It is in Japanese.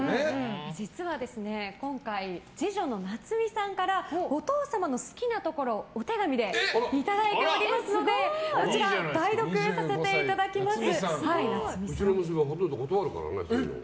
実は、今回次女の名津美さんからお父様の好きなところをお手紙でいただいておりますので代読させていただきます。